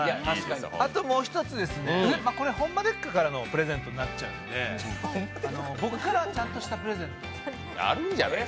あともう一つ、これ「ホンマでっか！？」からのプレゼントになっちゃうので、僕からちゃんとしたプレゼント。